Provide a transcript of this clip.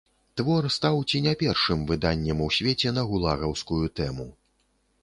Твор стаў ці не першым выданнем у свеце на гулагаўскую тэму.